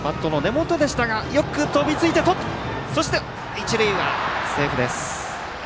一塁はセーフです。